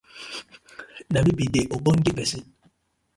Na mi bi de ogbonge pesin.